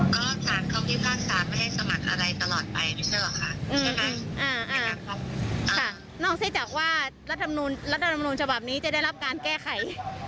ก็สารเข้าที่ภาคสารไม่ให้สมัครอะไรตลอดไปนั่นใช่เหรอคะอืมค่ะนอกที่จะว่ารัฐมนูลฯระฐมนูลฉบับนี้จะได้รับการแก้ไข